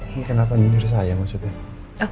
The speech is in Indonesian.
ini kenapa jujur saya maksudnya